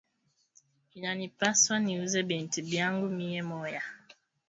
Inani pashwa ni uze bintu byangu miye moya